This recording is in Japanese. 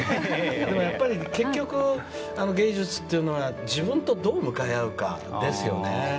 でもやっぱり結局芸術というのは自分とどう向かい合うかですよね。